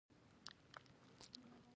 اکا ته مې وويل زه ستړى يم.